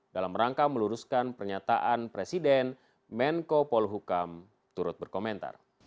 dalam rangka meluruskan pernyataan presiden menko polhukam turut berkomentar